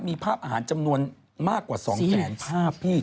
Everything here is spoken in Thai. มีภาพอาหารจำนวนมากกว่า๒แสนภาพพี่